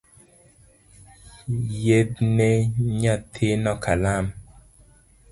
Yiedhne nyathino kalam